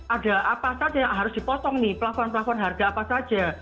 ada apa saja yang harus dipotong nih platform platform harga apa saja